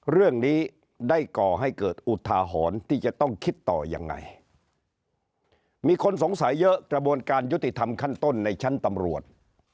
เรื่องนี้ได้ก่อให้เกิดอุทาหรณ์ที่จะต้องคิดต่อยังไงมีคนสงสัยเยอะกระบวนการยุติธรรมขั้นต้นในชั้นตำรวจ